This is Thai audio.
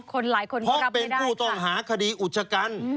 คนหลายคนก็รับไม่ได้เพราะเป็นผู้ตองหาคดีอุจจกรรม